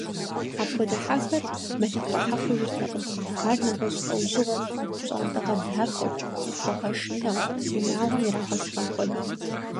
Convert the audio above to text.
Апхуэдэ хьэхэр мэлыхъуэхьэ хъужыртэкъым, ар нэгъуэщӀ лӀэужьыгъуэт – пщӀантӀэгъэдахэу, цӀыхугъэшынэу унагъуэм ирагъэсхэм хуэдэт.